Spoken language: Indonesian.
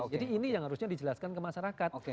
jadi ini yang harusnya dijelaskan ke masyarakat